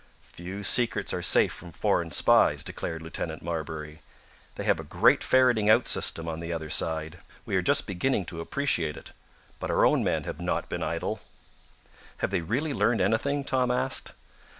"Few secrets are safe from foreign Spies," declared Lieutenant Marbury. "They have a great ferreting out system on the other side. We are just beginning to appreciate it. But our own men have not been idle." "Have they really learned anything?" Tom asked.